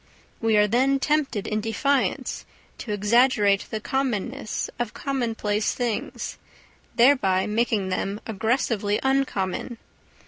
We are then tempted in defiance to exaggerate the commonness of commonplace things, thereby making them aggressively uncommon.